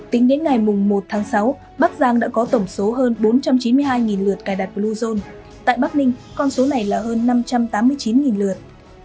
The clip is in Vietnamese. tính đến ngày một tháng sáu bắc giang đã có tổng số hơn bốn trăm chín mươi hai lượt cài đặt bluezone tại bắc ninh con số này là hơn năm trăm tám mươi chín lượt